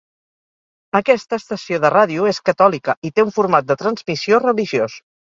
Aquesta estació de radio és catòlica i té un format de transmissió religiós.